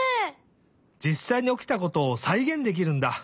じっさいにおきたことをさいげんできるんだ！